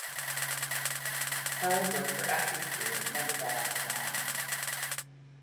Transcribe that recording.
However, her acting career never got off the ground.